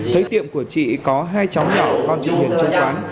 thấy tiệm của chị có hai cháu nhỏ con chị hiền trong quán